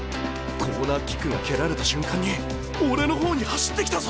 コーナーキックが蹴られた瞬間に俺の方に走ってきたぞ！